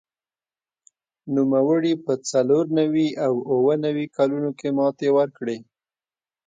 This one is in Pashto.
نوموړي په څلور نوي او اووه نوي کلونو کې ماتې ورکړې